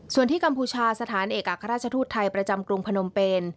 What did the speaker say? ส่วนที่กัมพูชาสถานเอกอัครราชทูตไทยประจำกรุงพนมเป็น